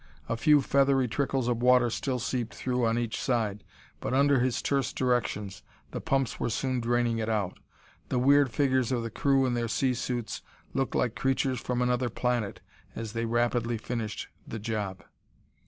A few feathery trickles of water still seeped through on each side, but under his terse directions the pumps were soon draining it out. The weird figures of the crew in their sea suits looked like creatures from another planet as they rapidly finished the job.